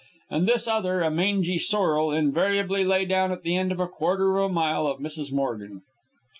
And this other, a mangy sorrel, invariably lay down at the end of a quarter of a mile of Mrs. Morgan.